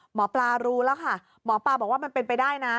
หมอปลารู้แล้วค่ะหมอปลาบอกว่ามันเป็นไปได้นะ